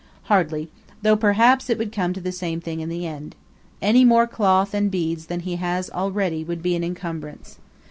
"Hardly though, perhaps, it would come to the same thing in the end. Any more cloth and beads than he has already would be an incumbrance.